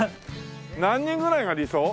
何人ぐらいが理想？